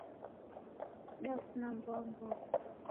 Dafuna mboa mboa